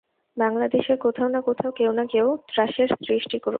বাংলাদেশের কোথাও না কোথাও কেউ না কেউ ত্রাসের সৃষ্টি করছে।